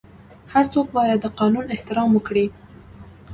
هر څوک باید د قانون احترام وکړي.